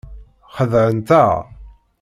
Xedεen-aɣ.